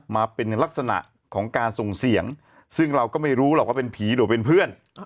มาเป็นลักษณะของการส่งเสียงซึ่งเราก็ไม่รู้หรอกว่าเป็นผีหรือเป็นเพื่อน